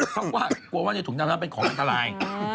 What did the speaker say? เพราะกลัวว่าในถุงดำนั้นเป็นของอันตราย